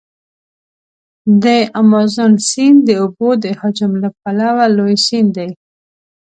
د امازون سیند د اوبو د حجم له پلوه لوی سیند دی.